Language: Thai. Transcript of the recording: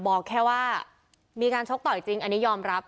บอกแค่ว่ามีการชกต่อยจริงอันนี้ยอมรับ